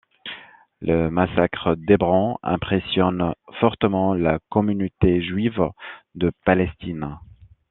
Le massacre d'Hébron impressionne fortement la communauté juive de Palestine.